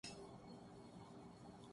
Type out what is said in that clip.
ہمیں تقاضا تو یہ کرنا چاہیے۔